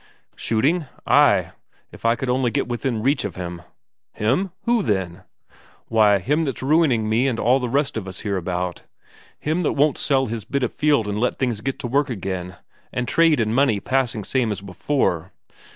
"Shooting? Ay, if I could only get within reach of him!" "Him? Who, then?" "Why, him that's ruining me and all the rest of us hereabout. Him that won't sell his bit of fjeld and let things get to work again, and trade and money passing same as before."